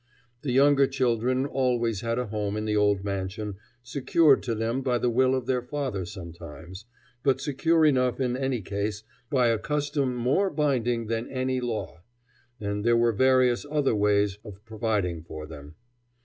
The younger children always had a home in the old mansion, secured to them by the will of their father sometimes, but secure enough in any case by a custom more binding than any law; and there were various other ways of providing for them.